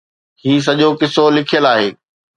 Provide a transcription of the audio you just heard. هي سڄو قصو لکيل آهي.